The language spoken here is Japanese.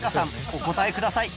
お答えください